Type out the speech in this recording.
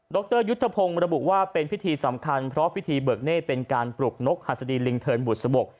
รยุทธพงศ์ระบุว่าเป็นพิธีสำคัญเพราะพิธีเบิกเนธเป็นการปลุกนกหัสดีลิงเทินบุษบก